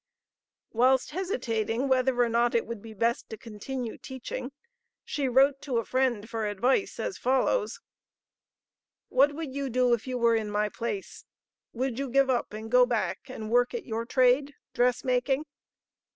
Whilst hesitating whether or not it would be best to continue teaching, she wrote to a friend for advice as follows: "What would you do if you were in my place? Would you give up and go back and work at your trade (dress making)?